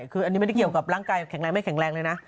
คืออันนี้ไม่ได้เกี่ยวกับร่างกายแข็งแรงไม่แข็งแรงเลยนะ